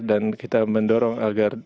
dan kita mendorong agar